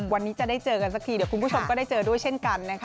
วันนี้จะได้เจอกันสักทีเดี๋ยวคุณผู้ชมก็ได้เจอด้วยเช่นกันนะคะ